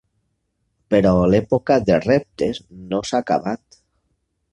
Però l'època de reptes no s'ha acabat.